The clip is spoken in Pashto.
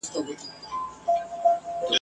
پردي وطن ته په کډه تللي !.